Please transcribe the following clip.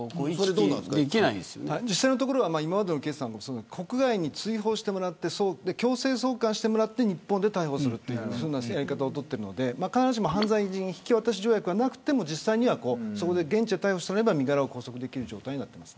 実際のところ今までのケースでも国外に追放してもらって強制送還してもらって日本で逮捕するというやり方を取っているので必ずしも犯罪人引き渡し条約がなくても実際には現地で逮捕されれば身柄を拘束できる状態です。